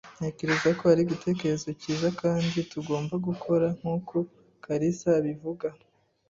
Ntekereza ko ari igitekerezo cyiza kandi tugomba gukora nkuko kalisa abivuga.